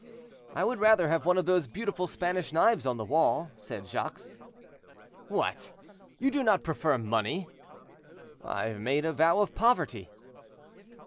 "I would rather have one of those beautiful Spanish knives on the wall," said Jacques. "What! you do not prefer money?" "I have made a vow of poverty."